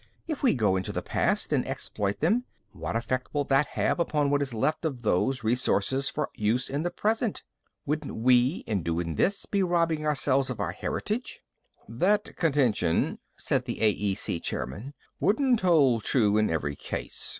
If we go into the past and exploit them, what effect will that have upon what is left of those resources for use in the present? Wouldn't we, in doing this, be robbing ourselves of our own heritage?" "That contention," said the AEC chairman, "wouldn't hold true in every case.